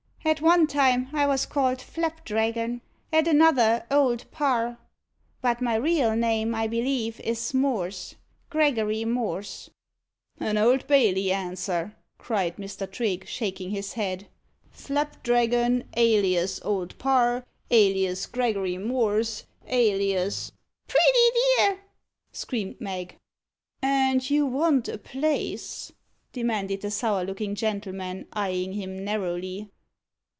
"At one time I was called Flapdragon at another, Old Parr but my real name, I believe, is Morse Gregory Morse." "An Old Bailey answer," cried Mr. Trigge, shaking his head. "Flapdragon, alias Old Parr alias Gregory Morse alias " "Pretty dear!" screamed Mag. "And you want a place?" demanded the sour looking gentleman, eyeing him narrowly.